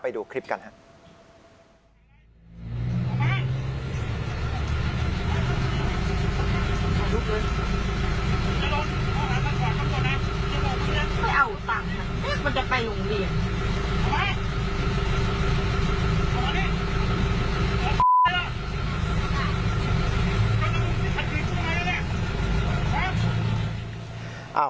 ไปดูคลิปกันครับ